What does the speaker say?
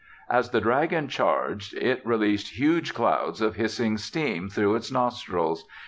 As the dragon charged it released huge clouds of hissing steam through its nostrils.